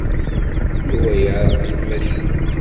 Yuba yeɛreq deg tmacint.